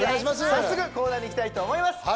早速コーナーに行きたいと思います。